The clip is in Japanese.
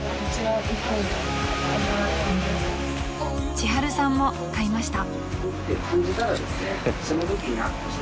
［ちはるさんも買いました］